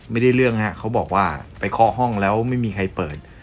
เขาบอกว่าไปค้อห้องแล้วไม่มีใครเปิด